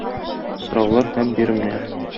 Сораулар һәм биремнәр.